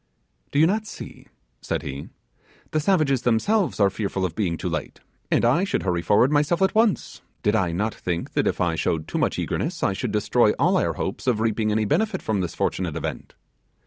'Do you not see,' said he, 'the savages themselves are fearful of being too late, and I should hurry forward myself at once did I not think that if I showed too much eagerness I should destroy all our hopes of reaping any benefit from this fortunate event.